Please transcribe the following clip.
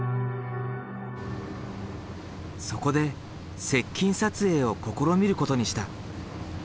そこで接近撮影を試みることにした。